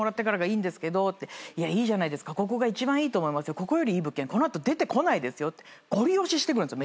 「ここよりいい物件この後出てこないですよ」ってごり押ししてくるんですよ